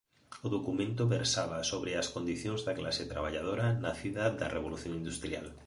O documento versaba sobre as condicións da clase traballadora nacida da Revolución Industrial.